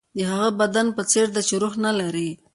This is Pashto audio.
د هغه بدن په څېر ده چې روح نه لري.